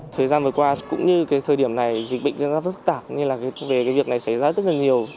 thời gian vừa qua cũng như thời điểm này dịch bệnh diễn ra rất phức tạp nhưng việc này xảy ra rất nhiều